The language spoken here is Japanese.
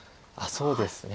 そうですね。